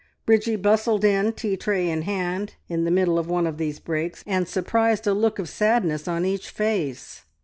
Bridgie bustled in, tea tray in hand, in the middle of one of these breaks, and surprised a look of sadness on each face.